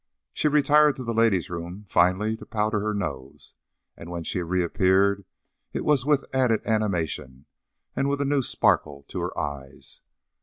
She retired to the ladies' room, finally, to powder her nose, and when she reappeared it was with added animation and with a new sparkle to her eyes.